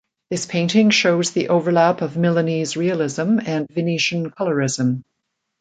This painting shows the overlap of Milanese realism and Venetian colorism.